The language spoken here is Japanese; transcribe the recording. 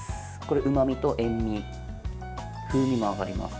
うまみと塩み、風味も上がります。